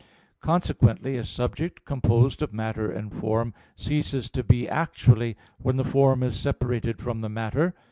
Consequently a subject composed of matter and form ceases to be actually when the form is separated from the matter.